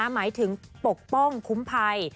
หมายถึงปกป้องคุ้มภัย